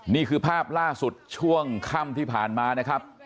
นี่คือภาพล่าสุดช่วงค่ำที่ผ่านมานะครับ